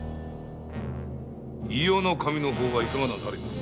伊予守の方はいかがなされます？